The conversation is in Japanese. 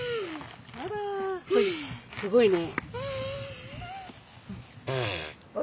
すごいね。